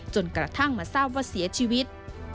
จนกระทั่งมาทราบว่าเสียชีวิต